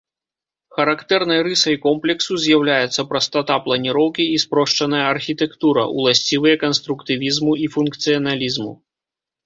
Характэрнай рысай комплексу з'яўляецца прастата планіроўкі і спрошчаная архітэктура, уласцівыя канструктывізму і функцыяналізму.